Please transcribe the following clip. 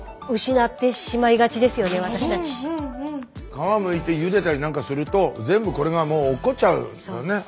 皮むいてゆでたりなんかすると全部これがもう落っこっちゃうんだね。